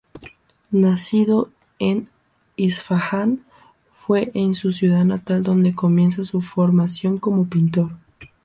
Nacido en Isfahán, fue en su ciudad natal donde comienza su formación como pintor.